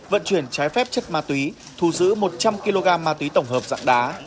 vận chuyển trái phép chất ma túy thu giữ một trăm linh kg ma túy tổng hợp dạng đá